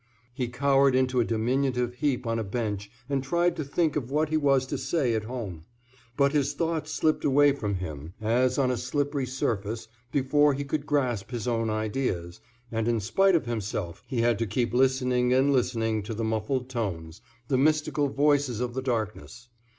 He cowered into a diminutive heap on a bench and tried to think of what he was to say at home. But his thoughts slipped away from him as on a slippery surface before he could grasp his own ideas, and in spite of himself he had to keep listening and listening to the muffled tones, the mystical voices of the darkness.